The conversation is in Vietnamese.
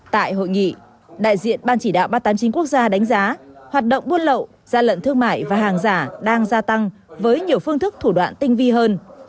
tại hội nghị đại diện ban chỉ đạo ba trăm tám mươi chín quốc gia đánh giá hoạt động buôn lậu gian lận thương mại và hàng giả đang gia tăng với nhiều phương thức thủ đoạn tinh vi hơn